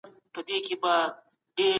سياسي بيداري د هر ملت د ژوند مانا ده.